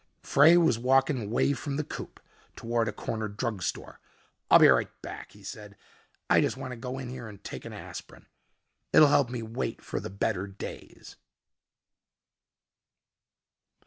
Frey was walking away from the coupe, toward a corner drug store. "I'll be right back," he said. "I just want to go in here and take an aspirin. It'll help me wait for the better days."